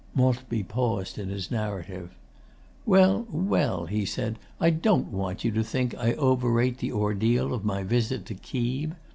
Maltby paused in his narrative. 'Well, well,' he said, 'I don't want you to think I overrate the ordeal of my visit to Keeb.